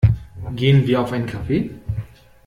Gehen wir auf einen Kaffee?